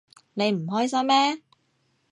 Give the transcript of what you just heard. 你唔開心咩？